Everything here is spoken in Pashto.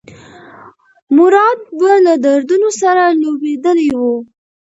مراد به له دردونو سره لوبېدلی و.